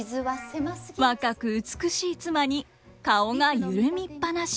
若く美しい妻に顔が緩みっぱなし。